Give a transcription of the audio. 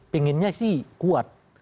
pengennya sih kuat